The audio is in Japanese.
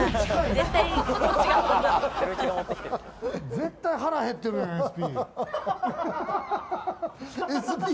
絶対腹減ってるやん、ＳＰ。